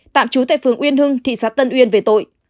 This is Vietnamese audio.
tạm trú tại phường uyên hưng thị xã tân uyên về tội